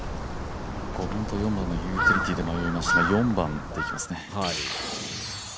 ５番と４番のユーティリティーで迷いましたが、４番でいきますね。